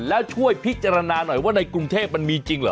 แล้วช่วยพิจารณาหน่อยว่าในกรุงเทพมันมีจริงเหรอ